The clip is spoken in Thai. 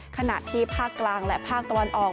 ขณะที่ภาคกลางและภาคตะวันออก